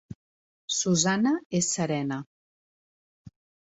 Susana és serena